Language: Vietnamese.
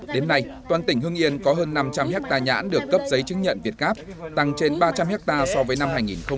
đến nay toàn tỉnh hương yên có hơn năm trăm linh ha nhãn được cấp giấy chứng nhận việt gáp tăng trên ba trăm linh ha so với năm hai nghìn một mươi tám